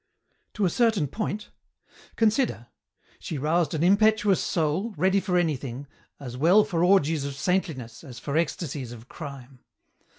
"To a certain point. Consider. She roused an impetuous soul, ready for anything, as well for orgies of saintliness as for ecstasies of crime.